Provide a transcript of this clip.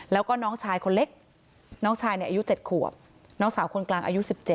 แล้วก็น้องชายคนเล็กน้องชายอายุ๗ขวบน้องสาวคนกลางอายุ๑๗